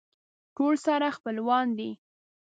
ټول سره خپلوان دي.